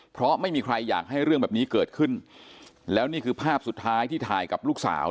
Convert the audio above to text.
เพราะไม่มีใครอยากให้เรื่องแบบนี้เกิดขึ้นแล้วนี่คือภาพสุดท้ายที่ถ่ายกับลูกสาว